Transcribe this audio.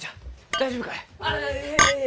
大丈夫かえ？